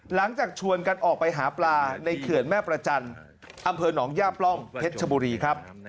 หลังจากชวนกันออกไปหาปลาในเขื่อนแม่ประจันทร์อำเภอหนองย่าปล้องเพชรชบุรีครับ